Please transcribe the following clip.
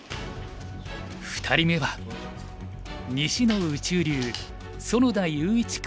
２人目は西の「宇宙流」苑田勇一九